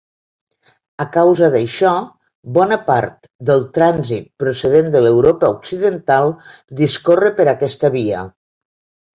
A causa d'això, bona part del trànsit procedent de l'Europa occidental discorre per aquesta via.